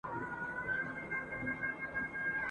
څاڅکي څاڅکي ډېرېږي ..